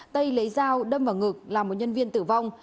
tây lấy dao đâm vào ngực làm một nhân viên tử vong